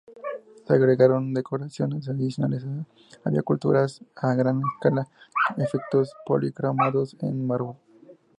Se agregaron decoraciones adicionales; había esculturas a gran escala y efectos policromados en mármol.